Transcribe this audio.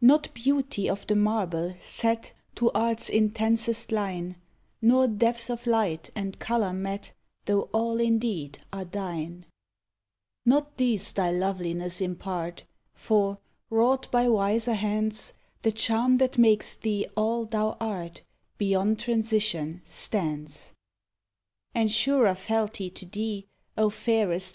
Not beauty of the marble set To Art's intensest line, Nor depth of light and color met, Tho' all indeed are thine Not these thy loveliness impart, For, wrought by wiser Hands, The charm that makes thee all thou art Beyond transition stands; And surer fealty to thee, O fairest!